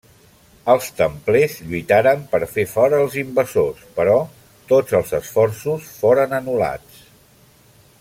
Els templers lluitaren per fer fora els invasors, però tots els esforços foren anul·lats.